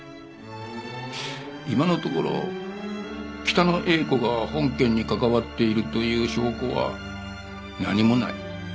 今のところ北野英子が本件に関わっているという証拠は何もない。